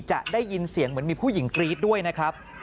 จะได้ยินเสียงเหมือนมีผู้หญิงกรี๊ดด้วยนะครับ